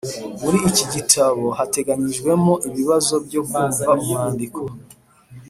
Muri iki gitabo hateganyijwemo ibibazo byo kumva umwandiko